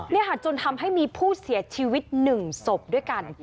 เนี่ยหาจนทำให้มีผู้เสียชีวิตหนึ่งสบด้วยกัน